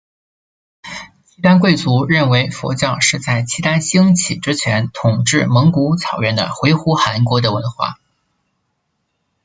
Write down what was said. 契丹贵族认为佛教是在契丹兴起之前统治蒙古草原的回鹘汗国的文化。